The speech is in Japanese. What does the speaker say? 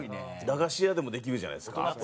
駄菓子屋でもできるじゃないですか。